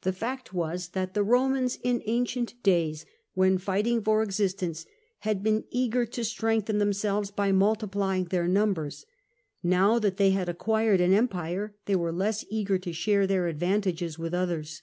The fact was that the Romans in ancient days, when fighting for existence, had been eager to strengthen themselves by multiplying their numbers : now that they had acquired an empire, they were less eager to share their advantages with others.